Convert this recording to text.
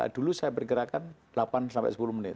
dulu saya bergerakkan delapan sampai sepuluh menit